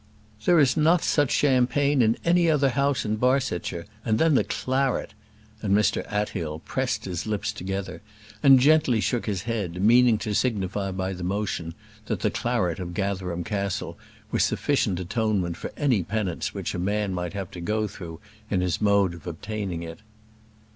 There is not such champagne in any other house in Barsetshire; and then the claret " And Mr Athill pressed his lips together, and gently shook his head, meaning to signify by the motion that the claret of Gatherum Castle was sufficient atonement for any penance which a man might have to go through in his mode of obtaining it.